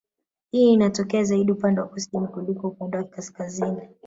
Hii inatokea zaidi upande wa kusini kuliko upande wa kaskazini